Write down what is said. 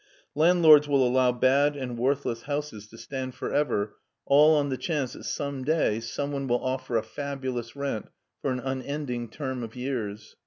Landlords will allow bad and worth HEIDELBERG '9 less houses to stand for ever all on the chance that some day some one will offer a fabulous rent for an unending term of years.